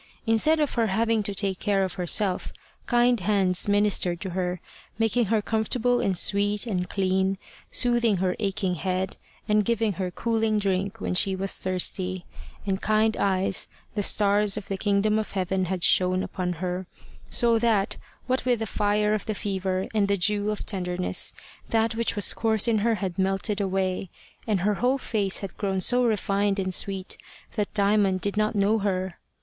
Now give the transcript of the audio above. Instead of her having to take care of herself, kind hands ministered to her, making her comfortable and sweet and clean, soothing her aching head, and giving her cooling drink when she was thirsty; and kind eyes, the stars of the kingdom of heaven, had shone upon her; so that, what with the fire of the fever and the dew of tenderness, that which was coarse in her had melted away, and her whole face had grown so refined and sweet that Diamond did not know her.